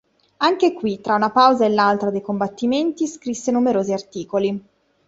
Anche qui, tra una pausa e l'altra dei combattimenti, scrisse numerosi articoli.